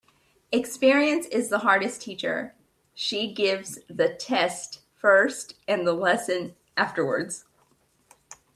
Experience is the hardest teacher. She gives the test first and the lesson afterwards.